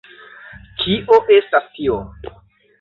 Kio estas tio??